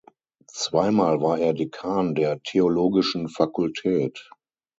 Zweimal war er Dekan der theologischen Fakultät.